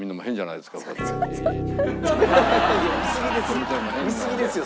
いや見すぎですよ。